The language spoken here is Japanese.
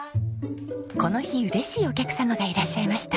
この日嬉しいお客様がいらっしゃいました。